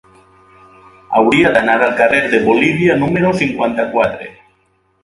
Hauria d'anar al carrer de Bolívia número cinquanta-quatre.